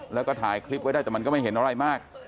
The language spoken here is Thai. แล้วก็ถ่ายคลิปไว้ได้แต่มันก็ไม่เห็นอะไรมาก